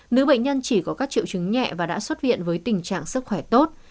nữ bệnh nhân chỉ có các triệu chứng nhẹ và đã xuất viện với tình trạng sức khỏe tốt